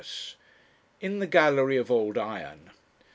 IN THE GALLERY OF OLD IRON.